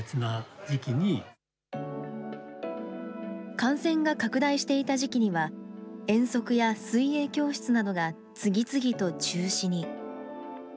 感染が拡大していた時期には、遠足や水泳教室などが、次々と中止に。